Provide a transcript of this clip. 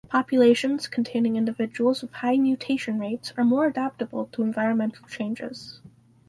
Populations containing individuals with high mutation rates are more adaptable to environmental changes.